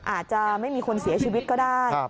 อาจจะไม่มีคนเสียชีวิตก็ได้